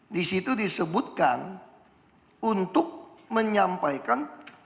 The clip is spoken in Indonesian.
disitu disebutkan untuk menyampaikan